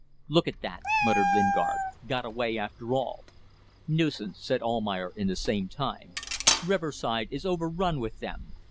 "Look at that!" muttered Lingard. "Got away after all." "Nuisance," said Almayer in the same tone. "Riverside is overrun with them.